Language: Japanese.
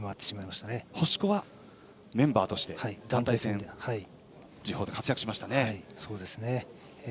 星子はメンバーとして団体戦次鋒で活躍しましたね。